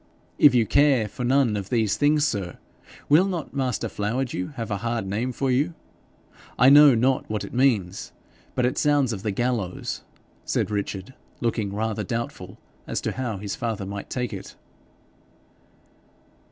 'If you care for none of these things, sir, will not master Flowerdew have a hard name for you? I know not what it means, but it sounds of the gallows,' said Richard, looking rather doubtful as to how his father might take it.